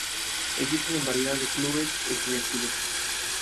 Existen una variedad de clubes estudiantiles.